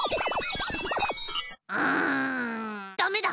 うんダメだ！